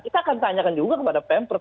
kita akan tanyakan juga kepada pemprov